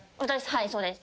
はいそうです。